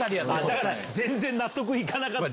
だから全然納得いかなかった。